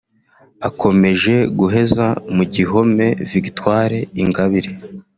Akomeje guheza mu gihome Victoire Ingabire